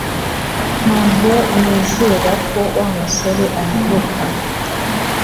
Ntabwo nizera ko Wa musore anyibuka